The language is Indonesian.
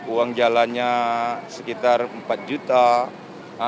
uang jalannya sekitar empat juta